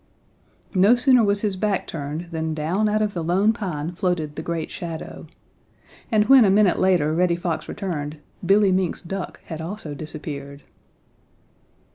No sooner was his back turned than down out of the Lone Pine floated the great shadow, and when a minute later Reddy Fox returned, Billy Mink's duck had also disappeared.